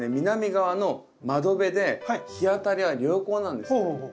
南側の窓辺で日当たりは良好なんですって。